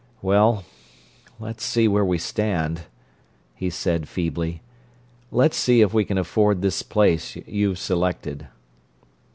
"Well, let's see where we stand," he said feebly. "Let's see if we can afford this place you've selected."